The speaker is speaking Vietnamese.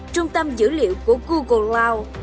trung tâm dữ liệu của google cloud